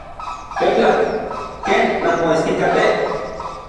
Teotlak. ¿Ken nanmoestikatej?